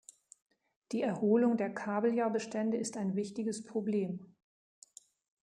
Die Erholung der Kabeljaubestände ist ein wichtiges Problem.